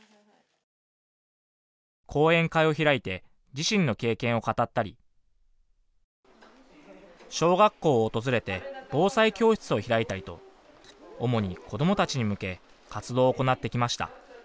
講演会を開いて自身の経験を語ったり小学校を訪れて防災教室を開いたりと主に子どもたちに向け活動を行ってきました。